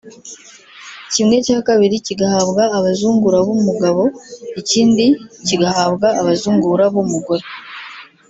kimwe cya kabiri kigahabwa abazungura b’umugabo ikindi kigahabwa abazungura b’umugore